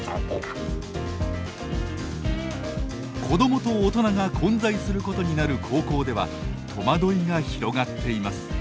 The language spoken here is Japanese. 子どもと大人が混在することになる高校では戸惑いが広がっています。